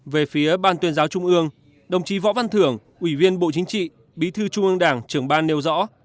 về phía ban tuyên giáo trung ương đồng chí võ văn thưởng ủy viên bộ chính trị bí thư trung ương đảng trưởng ban nêu rõ